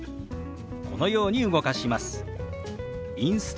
このように動かします。